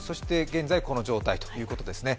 現在、この状態ということですね。